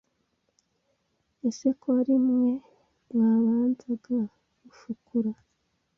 Ese ko ari mwe mwabanzaga Rufukura